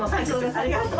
ありがとう。